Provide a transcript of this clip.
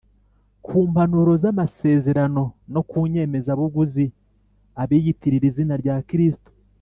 ku mpapuro z’amasezerano no ku nyemezabuguzi abiyitirira izina rya kristo